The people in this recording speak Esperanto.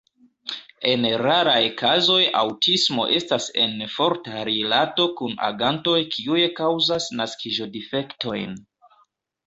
En raraj kazoj aŭtismo estas en forta rilato kun agantoj kiuj kaŭzas naskiĝo-difektojn.